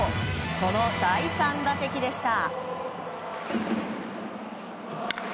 その第３打席でした。